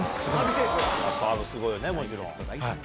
サーブすごいよね、もちろん。